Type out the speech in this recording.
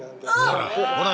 ほら！